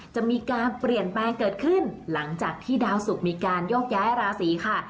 จะมีการเปลี่ยนแปลงเกิดขึ้นหลังจากที่ดาวสุกมีการโยกย้ายราศีค่ะ